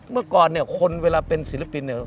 เมื่อก่อนเนี่ยคนเวลาเป็นศิลปินเนี่ย